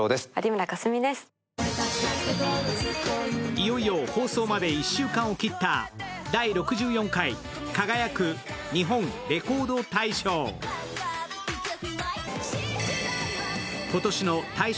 いよいよ放送まで１週間を切った「第６４回輝く！日本レコード大賞」。